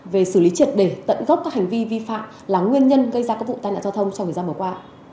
về xử lý triệt để tận gốc các hành vi vi phạm là nguyên nhân gây ra các vụ tai nạn giao thông trong thời gian vừa qua